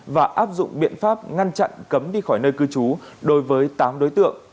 và áp dụng biện pháp ngăn chặn cấm đi khỏi nơi cư trú đối với tám đối tượng